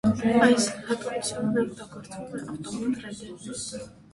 Այս հատկությունն օգտագործվում է ավտոմատ ռելեներում։